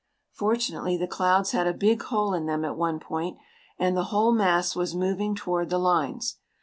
Fortunately the clouds had a big hole in them at one point and the whole mass was moving toward the lines.